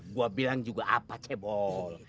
gue bilang juga apa cebol